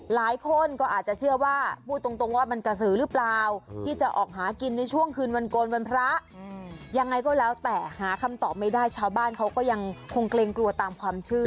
หลายคนก็อาจจะเชื่อว่าพูดตรงว่ามันกระสือหรือเปล่าที่จะออกหากินในช่วงคืนวันโกนวันพระยังไงก็แล้วแต่หาคำตอบไม่ได้ชาวบ้านเขาก็ยังคงเกรงกลัวตามความเชื่อ